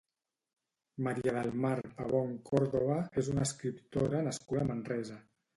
Maria del Mar Pavón Córdoba és una escriptora nascuda a Manresa.